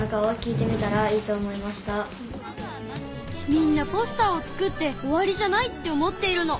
みんなポスターを作って終わりじゃないって思っているの。